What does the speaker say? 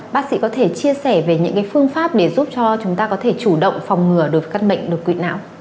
bác sĩ có thể chia sẻ về những phương pháp để giúp cho chúng ta có thể chủ động phòng ngừa được các bệnh đột quỵ não